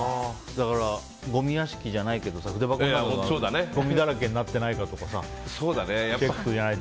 だから、ごみ屋敷じゃないけど筆箱の中がゴミだらけになってないかとかチェックしないと。